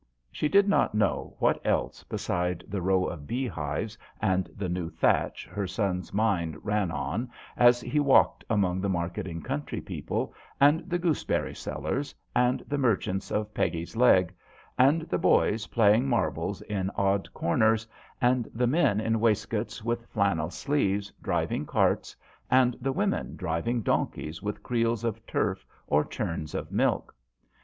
She did not know what else beside the row of beehives and the new thatch her son's mind ran on as he walked among the marketing country people, and the gooseberry sellers, and the merchants of " Peggie's leg," and the boys playing marbles in odd corners, and the men in waistcoats with flannel sleeves driving carts, and the women driving donkeys with creels of turf or churns of milk.